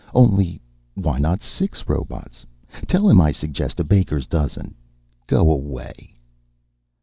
Only, why not six robots? Tell him I suggest a baker's dozen. Go away."